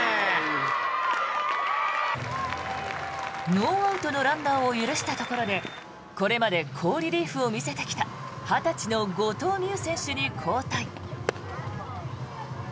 ノーアウトのランナーを許したところでこれまで好リリーフを見せてきた２０歳の後藤希友選手に交代。